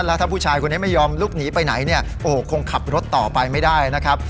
แล้วถ้าผู้ชายคนนี้ไม่ยอมลุกหนีไปไหนเนี่ยโอ้คงขับรถต่อไปไม่ได้นะครับ